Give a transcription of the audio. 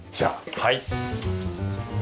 はい。